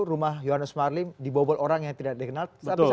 rumah yohannes marlim dibobol orang yang tidak dikenal